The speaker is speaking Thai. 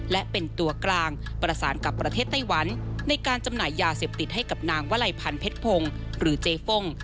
และเป็นตัวกลางประสานกับประเทศไต้หวันในการจำหน่ายยาเสพติดให้กับนางวลัยพันธ์เพชรพงศ์หรือเจฟ่ง